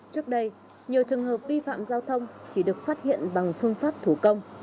trước đây nhiều trường hợp vi phạm giao thông chỉ được phát hiện bằng phương pháp thủ công